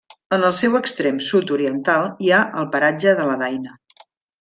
En el seu extrem sud-oriental hi ha el paratge de la Daina.